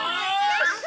よし。